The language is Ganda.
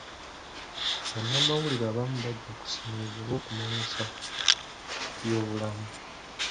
Bannamawulire abamu bajja kusiimibwa olw'okumanyisa ku byobulamu.